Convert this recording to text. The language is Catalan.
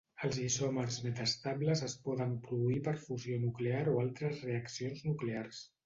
Els isòmers metaestables es poden produir per fusió nuclear o altres reaccions nuclears.